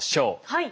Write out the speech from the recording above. はい。